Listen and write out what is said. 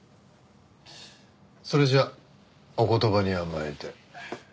それじゃお言葉に甘えて。